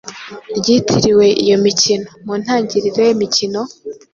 ryitiriwe iyo mikino. Mu ntangiriro y’iyo mikino,